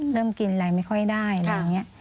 เริ่มกินอะไรไม่ค่อยได้อะไรอย่างนี้